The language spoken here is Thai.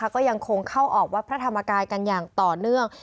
ก็ยังคงเข้าออกวัดพระธรรมกายกันอย่างต่อเนื่อง